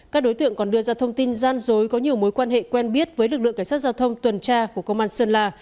các đối tượng còn đưa ra thông tin gian dối có nhiều mối quan hệ quen biết với lực lượng cảnh sát giao thông tuần tra của công an sơn la